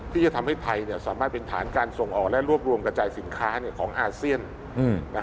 ที่จะทำให้ไทยสามารถเป็นฐานการส่งออกและรวบรวมกระจายสินค้าของอาเซียน